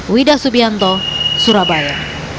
widah subianto surabaya